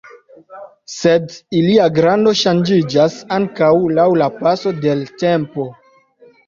Sed ilia grando ŝanĝiĝas ankaŭ laŭ la paso de l' tempo.